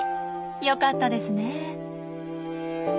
よかったですね！